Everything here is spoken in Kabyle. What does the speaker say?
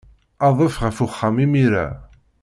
Adef ɣer uxxam imir-a.